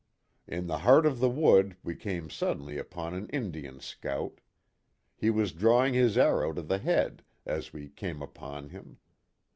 " In the heart of the wood we came suddenly upon an Indian scout. He was drawing his arrow to the head, as we came upon him